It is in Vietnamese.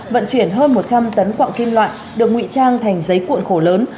vận chuyển hơn một trăm linh tấn quạng kim loại được nguy trang thành giấy cuộn khổ lớn